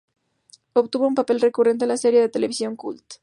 Obtuvo un papel recurrente en la serie de televisión "Cult".